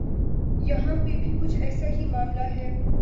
یہاں پہ بھی کچھ ایسا ہی معاملہ ہے۔